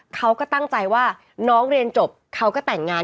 เขาก็ตั้งใจว่าน้องเรียนจบเขาก็แต่งงาน